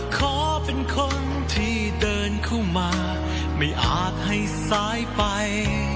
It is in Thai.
ขอเป็นคนที่เดินเข้ามาไม่อาจให้ซ้ายไป